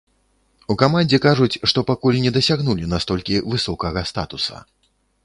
У камандзе кажуць, што пакуль не дасягнулі настолькі высокага статуса.